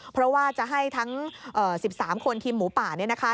เพราะว่าจะให้ทั้ง๑๓คนทีมหมูป่า